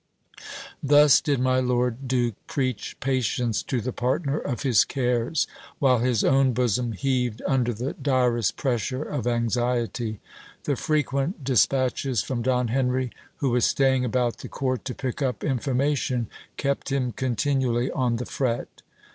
Thus did my lord duke preach patience to the partner of his cares, while his own bosom heaved under the direst pressure of anxiety. The frequent dis patches from Don Henry, who was staying about the court to pick up informa tion, kept him continually on the fret.